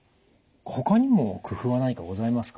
ほかにも工夫は何かございますか？